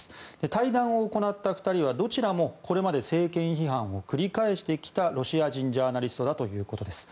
対談を行った２人はどちらもこれまで政権非難を繰り返してきたロシア人ジャーナリストだということです。